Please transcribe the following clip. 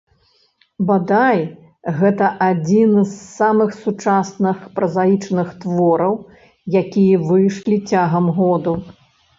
Бадай, гэта адзін з самых сучасных празаічных твораў, якія выйшлі цягам году.